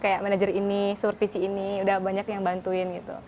kayak manajer ini survisi ini udah banyak yang bantuin gitu